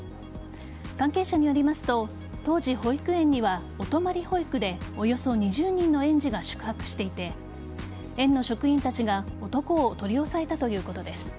関係者によりますと当時、保育園にはお泊まり保育でおよそ２０人の園児が宿泊していて園の職員たちが男を取り押さえたということです。